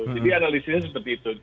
jadi analisinya seperti itu